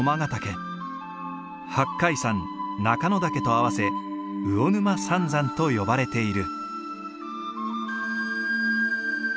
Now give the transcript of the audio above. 八海山中ノ岳と合わせ魚沼三山と呼ばれている。